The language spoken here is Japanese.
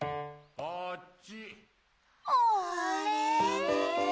あれ？